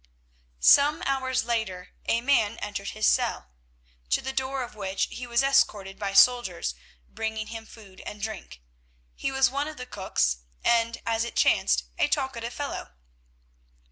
Some hours later a man entered his cell, to the door of which he was escorted by soldiers, bringing him food and drink. He was one of the cooks and, as it chanced, a talkative fellow.